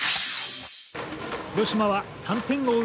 広島は３点を追う